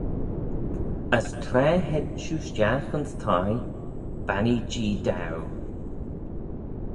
As tra hed shiu stiagh ayns thie, bannee-jee daue.